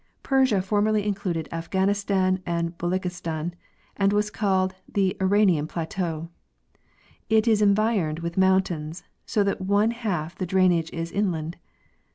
Persia formerly included Afghanistan and Beloochis tan, and was called the Iranian plateau. It is environed with mountains, so that one half the drainage is inland.